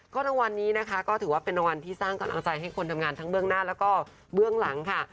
ก็รางวัลนี้นะคะก็ถือว่าเป็นรางวัลที่สร้างกำลังใจให้คนทำงานทั้งเบื้องหน้าแล้วก็เบื้องหลังค่ะ